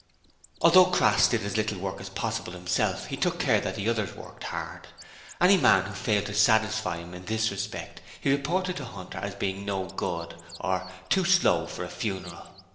Although Crass did as little work as possible himself he took care that the others worked hard. Any man who failed to satisfy him in this respect he reported to Hunter as being 'no good', or 'too slow for a funeral'.